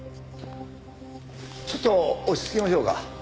ちょっと落ち着きましょうか。